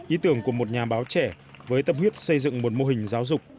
ý tưởng của một nhà báo trẻ với tâm huyết xây dựng một mô hình giáo dục